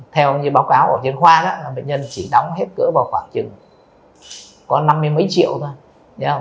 theo như báo cáo ở trên khoa bệnh nhân chỉ đóng hết cửa vào khoảng chừng có năm mươi mấy triệu thôi